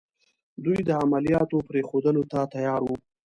دوی د عملیاتو پرېښودلو ته تیار وو.